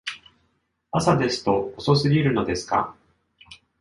朝ですと遅すぎるのですか？